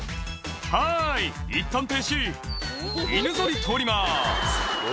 「はいいったん停止犬ゾリ通ります」